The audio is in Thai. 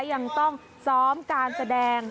ยังต้องซ้อมการแสดง